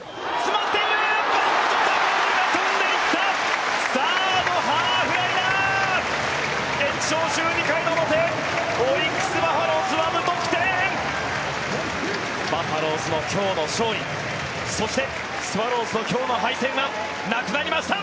バファローズの今日の勝利そして、スワローズの今日の敗戦はなくなりました。